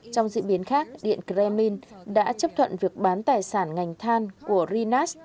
trong diễn biến khác điện kremlin đã chấp thuận việc bán tài sản ngành than của rinas